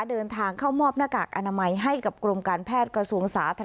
เดินทางเข้ามอบหน้ากากอนามัยให้กับกรมการแพทย์กระทรวงสาธารณ